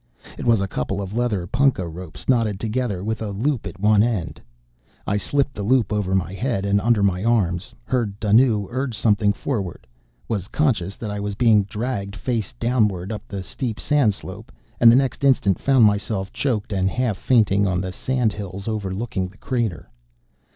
It was a couple of leather punkah ropes knotted together, with a loop at one end. I slipped the loop over my head and under my arms; heard Dunnoo urge something forward; was conscious that I was being dragged, face downward, up the steep sand slope, and the next instant found myself choked and half fainting on the sand hills overlooking the crater.